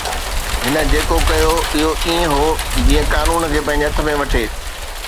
هن جيڪو ڪيو اهو ائين هو جيئن قانون کي پنهنجي هٿ ۾ وٺي